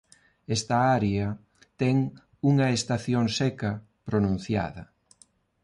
Esta área ten unha estación seca pronunciada.